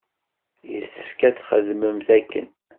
Yessefk ad txedmemt akken.